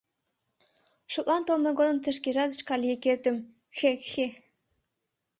Шотлан толмо годым тый шкежат шкальыкетым... кхе, кхе...